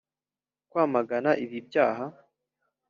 kwamagana ibi byaha.